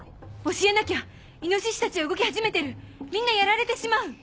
教えなきゃ猪たちは動き始めてるみんなやられてしまう！